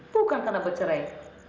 bukan karena bercerai